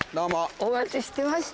お待ちしてました。